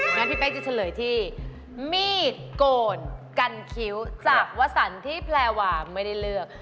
งั้นพี่เป๊กจะเฉลยที่มีดโกนกันคิ้วจากวสันที่แพรวาไม่ได้เลือก